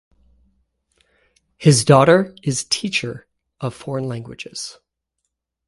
His daughter is teacher of foreign languages.